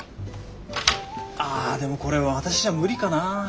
ああでもこれ私じゃ無理かな。